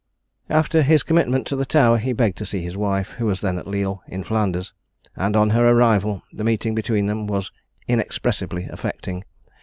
After his commitment to the Tower he begged to see his wife, who was then at Lille, in Flanders; and, on her arrival, the meeting between them was inexpressibly affecting.